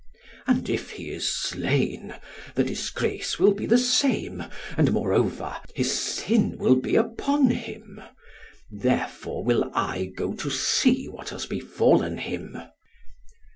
And if he is slain, the disgrace will be the same, and moreover, his sin will be upon him; therefore will I go to see what has befallen him."